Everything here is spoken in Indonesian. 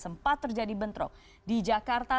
sempat terjadi bentrok di jakarta